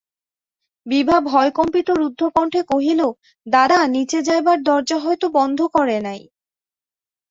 বিভা ভয়কম্পিত রুদ্ধকণ্ঠে কহিল, দাদা, নিচে যাইবার দরজা হয়তো বন্ধ করে নাই।